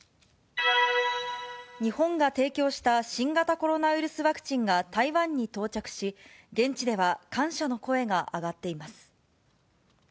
日本が提供した新型コロナウイルスワクチンが台湾に到着し、現地では感謝の声が上がっています。